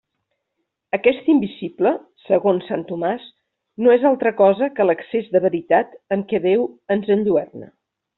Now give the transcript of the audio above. Aquest invisible, segons sant Tomàs, no és altra cosa que l'excés de veritat amb què Déu ens enlluerna.